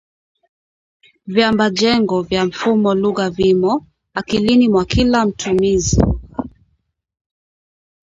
Viambajengo vya mfumo lugha vimo akilini mwa kila mtumizi lugha